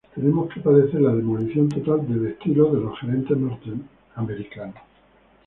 Tenemos que padecer la demolición total del estilo de los gerentes norteamericanos.